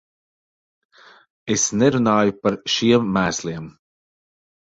Es nerunāju par šiem mēsliem.